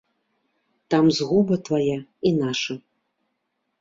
Там згуба твая і наша.